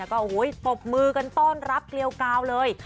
ก็ตบมือกันต้อนรับเกลียวกาวเลย